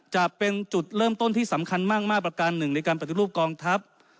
จะเป็นจุดเริ่มต้นที่สำคัญมากมาตรการหนึ่งในการปฏิรูปกองทัพ